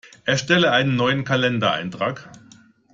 Erstelle einen neuen Kalendereintrag!